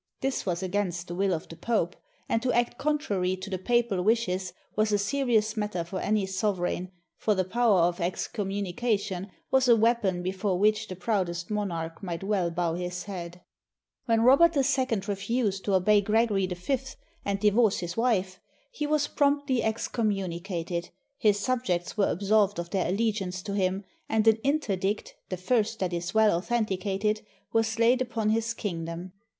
This was against the will of the Pope; and to act contrary to the papal wishes was a serious matter for any sovereign, for the power of excommunication was a weapon before which the proudest monarch might well bow his head. When Robert II refused to obey Gregory V and divorce his wife, he was promptly excommunicated, his subjects were absolved of their allegiance to him, and an interdict, the first that is well authenticated, was laid upon his king dom.